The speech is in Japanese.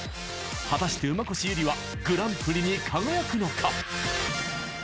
果たして馬越友梨はグランプリに輝くのか！？